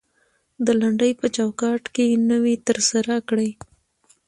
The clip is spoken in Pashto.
د لنډۍ په چوکات کې نوى تر سره کړى.